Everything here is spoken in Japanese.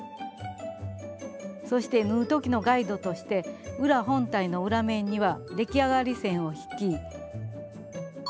そして縫う時のガイドとして裏本体の裏面には出来上がり線を引き。